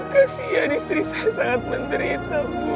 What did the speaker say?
kasihan istri saya sangat menderita bu